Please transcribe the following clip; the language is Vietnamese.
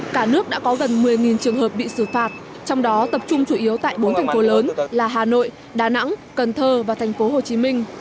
cả nước đã có gần một mươi trường hợp bị xử phạt trong đó tập trung chủ yếu tại bốn thành phố lớn là hà nội đà nẵng cần thơ và thành phố hồ chí minh